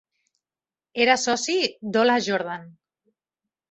Era soci d'Ola Jordan.